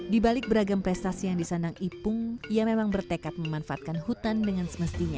di balik beragam prestasi yang disandang ipung ia memang bertekad memanfaatkan hutan dengan semestinya